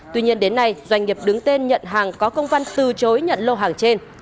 tuy nhiên đến nay doanh nghiệp đứng tên nhận hàng có công văn từ chối nhận lô hàng trên